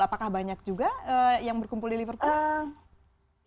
apakah banyak juga yang berkumpul di liverpool